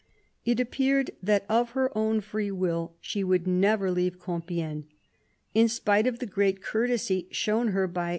It appeared that of her own free will she would never leave Compiegne. In spite of the great courtesy shown her by M.